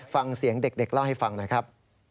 ฟังเสียงเด็กเล่าให้ฟังหน่อยครับ